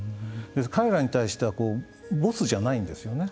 彼らに対してはボスじゃないんですよね。